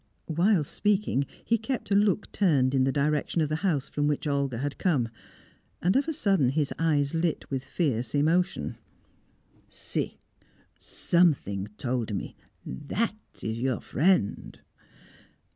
Whilst speaking, he kept a look turned in the direction of the house from which Olga had come. And of a sudden his eyes lit with fierce emotion. "See! Something told me! That is your friend!"